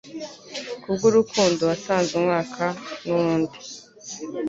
Kubwurukundo watanze umwaka nuwundi